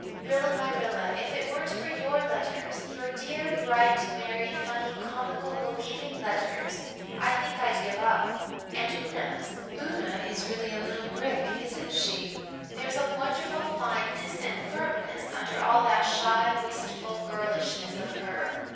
Rilla my Rilla, if it weren't for your letters your dear, bright, merry, funny, comical, believing letters I think I'd give up. And Una's! Una is really a little brick, isn't she? There's a wonderful fineness and firmness under all that shy, wistful girlishness of her.